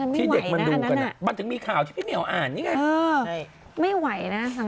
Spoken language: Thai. ที่เด็กมันดูกันบ้างจึงมีข่าวที่พี่เหนียวอ่านใช่ไหมไม่ไหวนะสังอื่น